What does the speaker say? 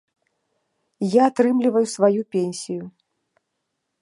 Я атрымліваю сваю пенсію.